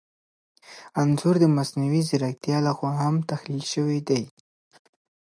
انځور د مصنوعي ځیرکتیا لخوا هم تحلیل شوی دی.